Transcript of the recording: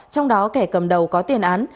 trong đó kẻ cầm đầu có tiền án